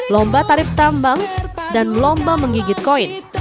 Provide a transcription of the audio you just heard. lomba tarif tambang dan lomba menggigit koin